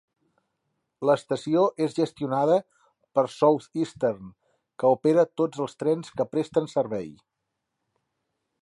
L'estació és gestionada per Southeastern, que opera tots els trens que presten servei.